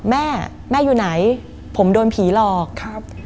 แม่แม่อยู่ไหนผมโดนผีหลอกครับ